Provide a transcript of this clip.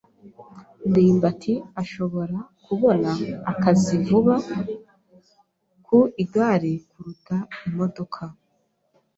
ndimbati ashobora kubona akazi vuba ku igare kuruta imodoka.